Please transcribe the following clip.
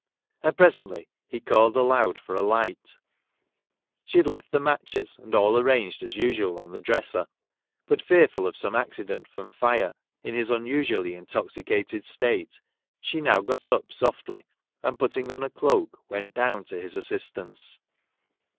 And presently he called aloud for a light ; she had left matches and all arranged as usual on the dresser, but, fearful of some accident from fire, in his unusually intoxicated state, she now got up softly, and putting on a cloak, went down to his assistance.